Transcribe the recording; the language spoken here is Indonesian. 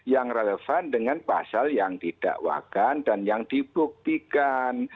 yang relevan dengan pasal yang tidak wakan dan yang dibuktikan